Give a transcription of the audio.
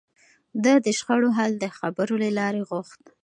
ده د شخړو حل د خبرو له لارې غوښت.